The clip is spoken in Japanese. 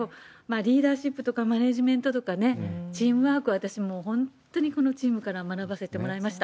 リーダーシップとか、マネジメントとか、チームワークは、私、本当にこのチームから学ばせてもらいました。